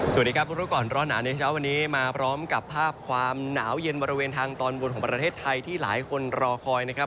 สวัสดีครับรู้ก่อนร้อนหนาวในเช้าวันนี้มาพร้อมกับภาพความหนาวเย็นบริเวณทางตอนบนของประเทศไทยที่หลายคนรอคอยนะครับ